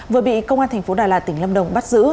vừa bị công an thành phố đà lạt tỉnh lâm đồng bắt giữ